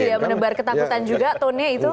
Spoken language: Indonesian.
jadi menebar ketakutan juga tonnya itu